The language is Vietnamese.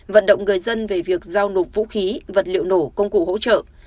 vận động người dân về việc giao nộp vũ khí vật liệu nổ công cụ hỗ trợ